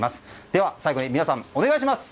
では最後に皆さん、お願いします。